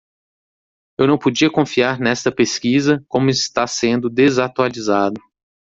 Eu não podia confiar nesta pesquisa como está sendo desatualizado.